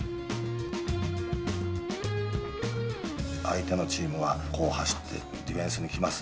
相手のチームはこう走ってディフェンスに来ます。